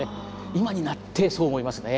今になってそう思いますね。